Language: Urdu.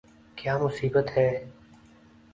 !کیا مصیبت ہے